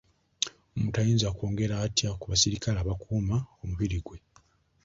Omuntu ayinza kwongera atya ku basirikale abakuuma omubiri gwe?